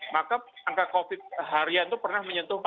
maka angka covid harian itu pernah menyentuh empat puluh